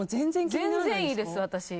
全然いいです、私。